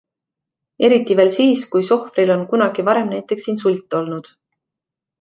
Eriti veel siis, kui sohvril on kunagi varem näiteks insult olnud.